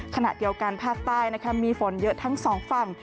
ขณะเดียวกันภาคใต้มีฝนเยอะทั้งสองฝั่ง